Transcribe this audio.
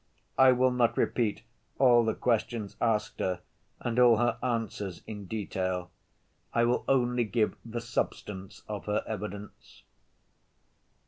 I will not repeat all the questions asked her and all her answers in detail. I will only give the substance of her evidence.